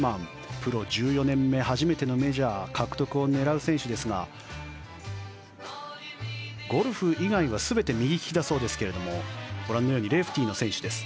プロ１４年目初めてのメジャー獲得を狙う選手ですがゴルフ以外は全て右利きだそうですがご覧のようにレフティーの選手です。